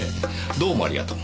どうもありがとう。